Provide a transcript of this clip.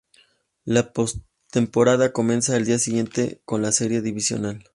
La postemporada comenzó al día siguiente con la Serie Divisional.